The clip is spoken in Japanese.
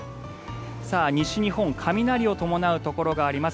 西日本雷を伴うところがあります。